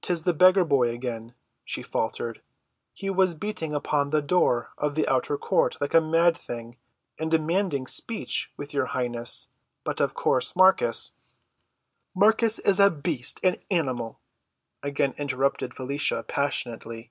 "'Tis the beggar boy again," she faltered. "He was beating upon the door of the outer court like a mad thing, and demanding speech with your highness. But, of course, Marcus—" "Marcus is a beast—an animal!" again interrupted Felicia passionately.